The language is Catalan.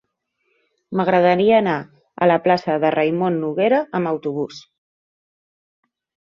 M'agradaria anar a la plaça de Raimon Noguera amb autobús.